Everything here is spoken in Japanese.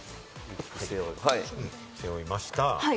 背負いました。